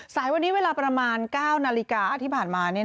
สายวันนี้เวลาประมาณ๙นาฬิกาที่ผ่านมา